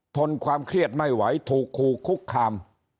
ทนความเครียดไม่ไหวถูกคู่คุกคาม